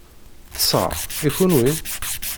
Ṭṣeɣ, i kenwi?